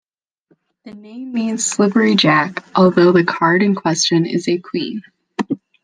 The name means "Slippery Jack", though the card in question is a Queen.